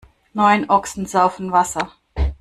Neun Ochsen saufen Wasser.